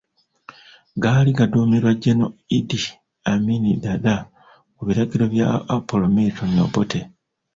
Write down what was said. Gaali gaduumirwa Gen. Idd Amin Dada ku biragiro bya Apollo Milton Obote.